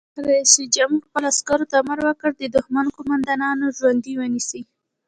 رئیس جمهور خپلو عسکرو ته امر وکړ؛ د دښمن قومندانان ژوندي ونیسئ!